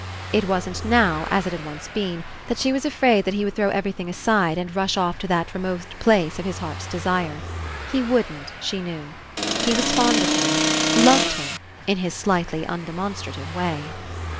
It wasn't now, as It had been once, that she was afraid that he would throw everything aside and rush off to that remote place of his heart's desire. He wouldn't, she knew. He was fond of her, loved her, in his slightly undemonstrative way.